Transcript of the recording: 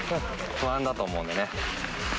不安だと思うんでね。